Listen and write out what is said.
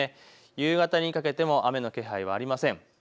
夕方にかけても雨の気配はありません。